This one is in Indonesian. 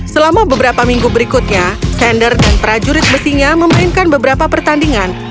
selama beberapa minggu berikutnya sander dan prajurit besinya memainkan beberapa pertandingan